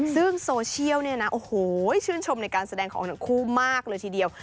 ซึ่งโซเชียลเนี่ยนะโอ้โหชื่นชมในการแสดงของทั้งคู่มากเลยทีเดียว